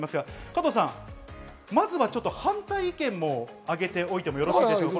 加藤さん、まずは反対意見も上げておいてもよろしいですか。